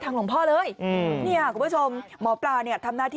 เอ้าตรงกลางคืนเคยเห็นมานะ